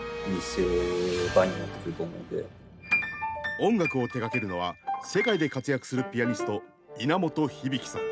音楽を手がけるのは世界で活躍するピアニスト稲本響さん。